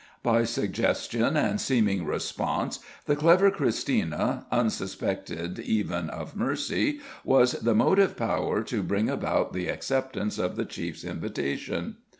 By suggestion and seeming response, the clever Christina, unsuspected even of Mercy, was the motive power to bring about the acceptance of the chief's invitation.